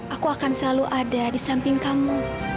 aku akan selalu ada di samping kamu